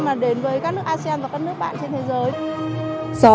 mà đến với các nước asean và các nước bạn trên thế giới